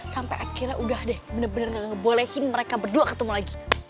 sampai akhirnya udah deh bener bener ngebolehin mereka berdua ketemu lagi